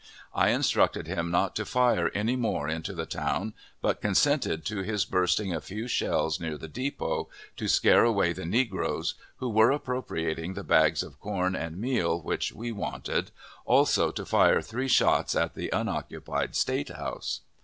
I instructed him not to fire any more into the town, but consented to his bursting a few shells near the depot, to scare away the negroes who were appropriating the bags of corn and meal which we wanted, also to fire three shots at the unoccupied State House.